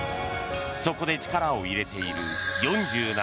そこで力を入れている４７